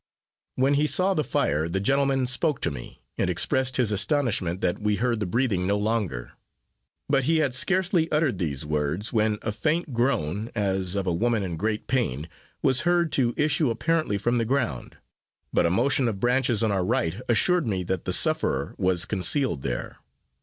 When he saw the fire, the gentleman spoke to me, and expressed his astonishment that we heard the breathing no longer; but he had scarcely uttered these words, when a faint groan, as of a woman in great pain, was heard to issue apparently from the ground; but a motion of branches on our right assured me that the sufferer was concealed there.